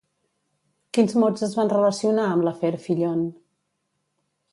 Quins mots es van relacionar amb l'afer Fillon?